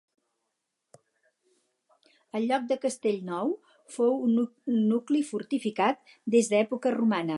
El lloc de Castellnou fou un nucli fortificat des d'època romana.